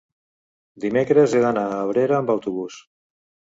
dimecres he d'anar a Abrera amb autobús.